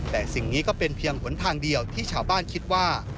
แต่สิ่งนี้ก็เป็นเพียงหนทางเดียวที่ชาวบ้านคิดว่า